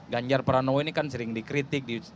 ganjar pranowo ini kan sering dikritik